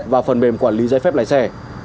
và phần mềm quản lý giấy phép lái xe